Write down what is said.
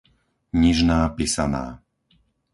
Nižná Pisaná